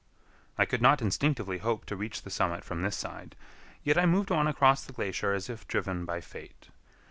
I could not distinctly hope to reach the summit from this side, yet I moved on across the glacier as if driven by fate.